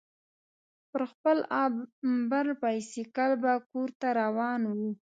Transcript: پر خپل امبر بایسکل به کورته روان وو.